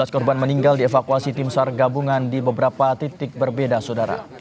tiga belas korban meninggal dievakuasi tim sar gabungan di beberapa titik berbeda saudara